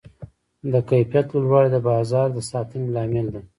د کیفیت لوړوالی د بازار د ساتنې لامل دی.